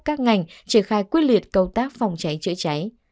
các ngành triển khai quyết liệt công tác phòng cháy chữa cháy